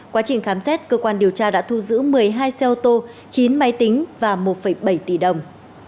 quá trình khám xét cơ quan điều tra đã thu giữ một mươi hai xe ô tô chín máy tính và một bảy tỷ đồng